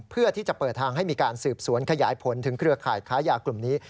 เพื่อที่จะเปิดทางให้มีการสืบสวนขยายผลถึงเครือข่ายค้ายากลุ่มนี้